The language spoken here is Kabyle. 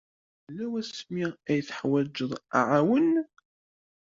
Yella wasmi ay teḥwajeḍ aɛawen?